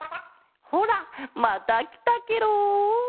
ほらまたきたケロ。